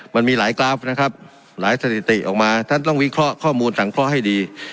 มันมีหลายกราฟนะครับหลายสถิติออกมาท่านต้องวิเคราะห์ข้อมูลสังเคราะห์ให้ดี